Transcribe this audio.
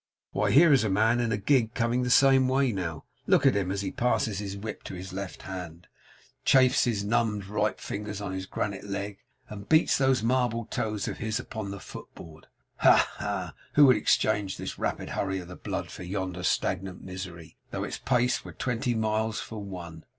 Why, here is a man in a gig coming the same way now. Look at him as he passes his whip into his left hand, chafes his numbed right fingers on his granite leg, and beats those marble toes of his upon the foot board. Ha, ha, ha! Who would exchange this rapid hurry of the blood for yonder stagnant misery, though its pace were twenty miles for one?